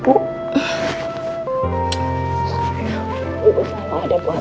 ibu selalu ada buat el